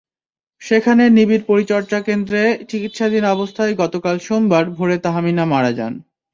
সেখানে নিবিড় পরিচর্যাকেন্দ্রে চিকিৎসাধীন অবস্থায় গতকাল সোমবার ভোরে তাহমিনা মারা যান।